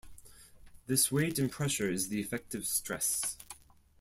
This weight and pressure is the effective stress.